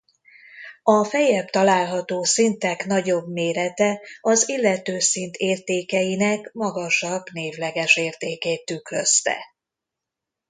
A feljebb található szintek nagyobb mérete az illető szint értékeinek magasabb névleges értékét tükrözte.